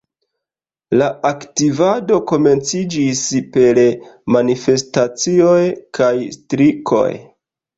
La aktivado komenciĝis per manifestacioj kaj strikoj.